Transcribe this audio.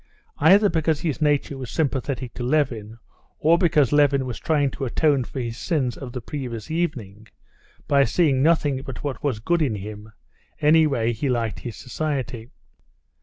Either because his nature was sympathetic to Levin, or because Levin was trying to atone for his sins of the previous evening by seeing nothing but what was good in him, anyway he liked his society.